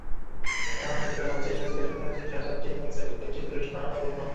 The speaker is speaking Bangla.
প্যান্ডেলের মঞ্চে সাজিয়ে রাখা হয়েছে সাত-আটটি মোটরসাইকেল, কয়েকটি টেলিভিশনসহ নানা পণ্য।